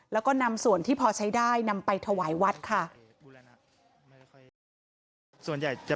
แล้วก็นำส่วนที่พอใช้ได้นำไปถวายวัดค่ะ